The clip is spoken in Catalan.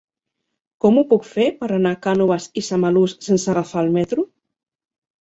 Com ho puc fer per anar a Cànoves i Samalús sense agafar el metro?